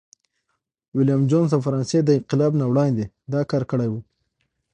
ویلیم جونز د فرانسې د انقلاب نه وړاندي دا کار کړی و.